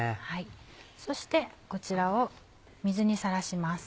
そしてこちらを水にさらします。